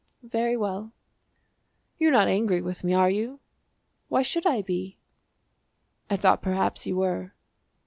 "Very well." "You're not angry with me, are you?" "Why should I be?" "I thought perhaps you were."